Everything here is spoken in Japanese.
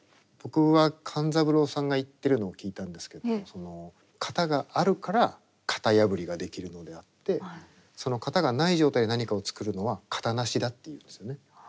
僕は勘三郎さんが言ってるのを聞いたんですけど型があるから型破りができるのであって型がない状態で何かを作るのは型なしだって言うんですよね。